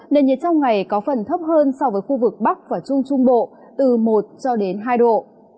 nền nhiệt trong ngày có phần thấp hơn so với khu vực bắc và trung trung bộ từ một cho đến hai độ